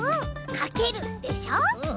「かける」でしょ。